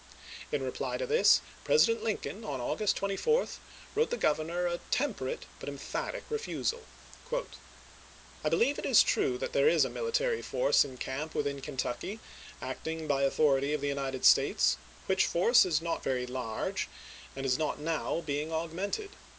In reply to this, President LiDColn, on August 24, wrote the Governor a temperate but isei, emphatic refusal: I believe it is true that there is a military force in camp within Kentucky, acting by authority of the United States, which force is not very large, and is not now be ing augmented.